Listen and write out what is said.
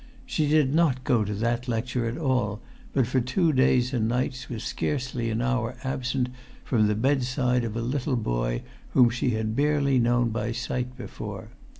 She did not go to that lecture at all, but for two days and nights was scarcely an hour absent from the bedside of a little boy whom she had barely known by sight before.